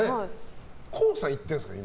ＫＯＯさん行ってるんですかね